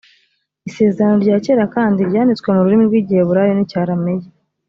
isezerano rya kera kandi ryanditswe mu rurimi rw’igiheburayo n’icyarameyi